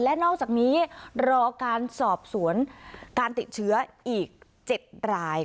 และนอกจากนี้รอการสอบสวนการติดเชื้ออีก๗ราย